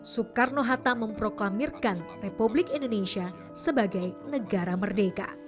soekarno hatta memproklamirkan republik indonesia sebagai negara merdeka